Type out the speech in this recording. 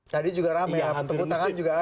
tadi juga rame ya tepuk tangan juga ada